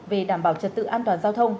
về đảm bảo trật tự an toàn giao thông